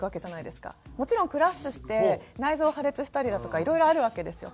もちろんクラッシュして内臓破裂したりだとかいろいろあるわけですよ